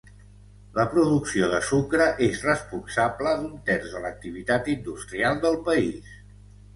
La producció de sucre és responsable d'un terç de l'activitat industrial del país.